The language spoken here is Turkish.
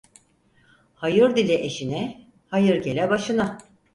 Hayır dile eşine, hayır gele başına.